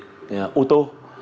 phương tiện ô tô